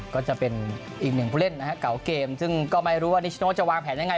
ก็จะเป็นอีกหนึ่งผู้เล่นนะฮะเก่าเกมซึ่งก็ไม่รู้ว่านิชโนจะวางแผนยังไง